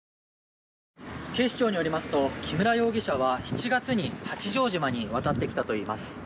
警視庁によりますと木村容疑者は７月に八丈島に渡ってきたといいます。